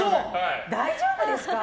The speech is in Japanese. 大丈夫ですか？